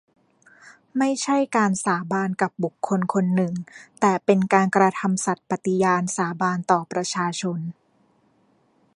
ไม่ใช่การสาบานกับบุคคลคนหนึ่ง แต่เป็นการกระทำสัตย์ปฏิญาณสาบานต่อประชาชน